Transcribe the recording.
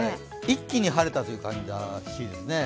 一気に晴れたという感じらしいですね。